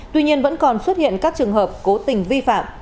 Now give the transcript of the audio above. tuy nhiên vẫn còn xuất hiện các trường hợp cố tình vi phạm